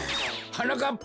はなかっぱ！